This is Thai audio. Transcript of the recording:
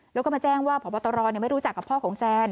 แล้วก็มาแจ้งว่าพบตรไม่รู้จักกับพ่อของแซน